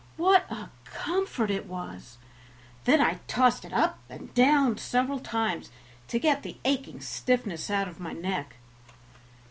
What a comfort it was! Then I tossed it up and down several times to get the aching stiffness out of my neck.